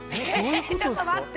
えちょっと待って！